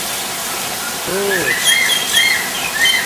چھݸر